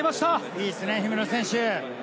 いいですね、姫野選手。